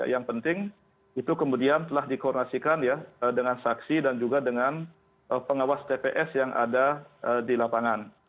yang penting itu kemudian telah dikoordinasikan ya dengan saksi dan juga dengan pengawas tps yang ada di lapangan